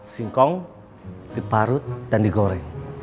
sengkong diparut dan digoreng